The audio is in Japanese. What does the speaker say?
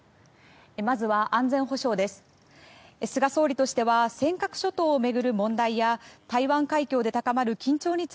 まずは安全保障です。